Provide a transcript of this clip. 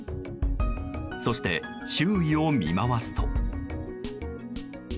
そして、周囲を見回すと。